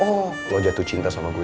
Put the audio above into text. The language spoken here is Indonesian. oh lo jatuh cinta sama gue